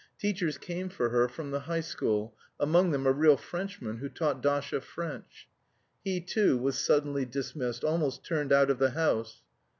Teachers came for her from the High School, among them a real Frenchman, who taught Dasha French. He, too, was suddenly dismissed, almost turned out of the house.